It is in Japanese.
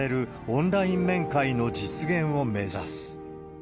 オンライン面会の実現を目指す。